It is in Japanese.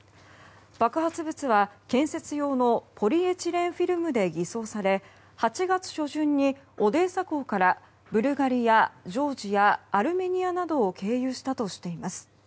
爆発物は建設用のポリエチレンフィルムで偽装され、８月初旬にオデーサ港からブルガリア、ジョージアアルメニアなどを経由したとしています。